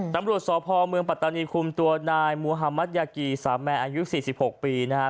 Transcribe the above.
นำรวชศพมปัตตานีคุมตัวนายมูฮามัธยากีสามแม่อายุ๔๖ปีนะครับ